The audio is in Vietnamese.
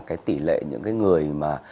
cái tỷ lệ những cái người mà